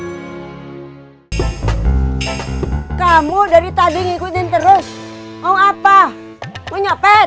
hai kamu dari tadi ngikutin terus mau apa punya pet